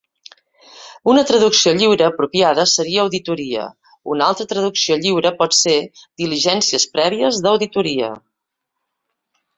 Una traducció lliure apropiada seria auditoria; una altra traducció lliure pot ser 'diligències prèvies d'auditoria'.